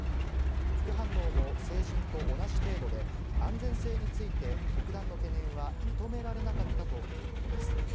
副反応も成人と同じ程度で、安全性について特段の懸念は認められなかったということです。